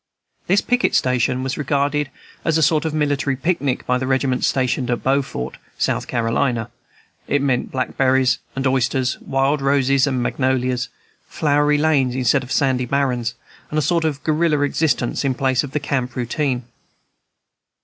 This picket station was regarded as a sort of military picnic by the regiments stationed at Beaufort, South Carolina; it meant blackberries and oysters, wild roses and magnolias, flowery lanes instead of sandy barrens, and a sort of guerilla existence in place of the camp routine.